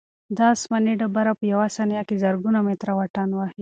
دا آسماني ډبره په یوه ثانیه کې زرګونه متره واټن وهي.